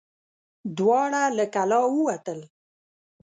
دواړه له کلا ووتل.